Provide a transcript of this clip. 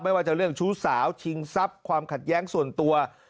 ว่าจะเรื่องชู้สาวชิงทรัพย์ความขัดแย้งส่วนตัว